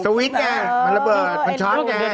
สวิทแกมันระเบิดมันชอบแก